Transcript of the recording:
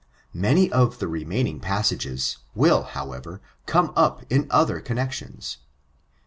Many of the remaining passages, will, however, come up in other connections.